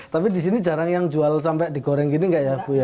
tapi di sini jarang yang jual sampai digoreng gini nggak ya bu ya